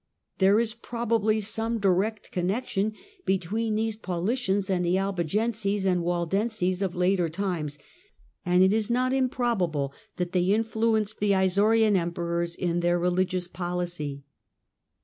There is probably some direct connection be ween these Paulicians and the Albigenses and Wal enses of later times, and it is not improbable that they nfluenced the Isaurian emperors in their religious obey.